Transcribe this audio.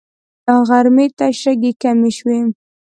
غرمې ته شګې کمې شوې.